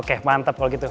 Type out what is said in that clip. oke mantap kalau gitu